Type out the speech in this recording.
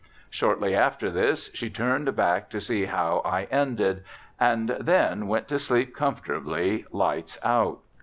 Shortly after this she turned back to see how I ended, and then went to sleep comfortably, lights out.